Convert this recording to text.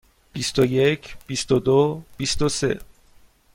بیست و یک، بیست و دو، بیست و سه.